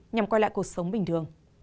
nhằm quay lại cuộc sống bình thường